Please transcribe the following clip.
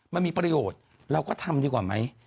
มันมีประโยชน์เราก็ทำดีกว่าไหม